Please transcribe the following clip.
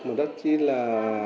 một đất chi là